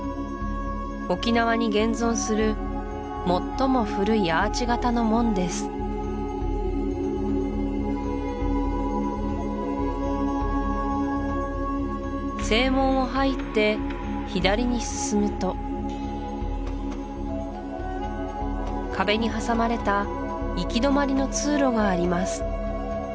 沖縄に現存する最も古いアーチ型の門です正門を入って左に進むと壁に挟まれた行き止まりの通路があります